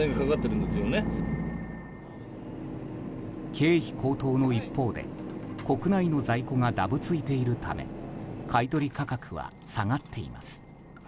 経費高騰の一方で国内の在庫がだぶついているため買い取り価格は下がっています。